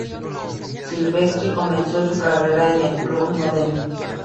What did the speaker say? Silvestri comenzó su carrera en el club Modena.